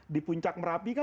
di puncak merapi kan